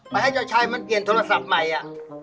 ให้เจ้าชายมันเปลี่ยนโทรศัพท์ใหม่อ่ะ